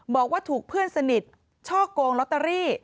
บอกว่าถูกเพื่อนสนิทช่อกงลอตเตอรี่